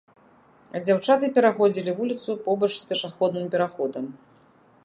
Дзяўчаты пераходзілі вуліцу побач з пешаходным пераходам.